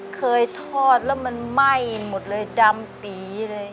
เคยทอดแล้วมันไหม้หมดเลยดำตีเลย